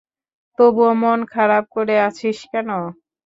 তবুও মন খারাপ করে আছিস কেন?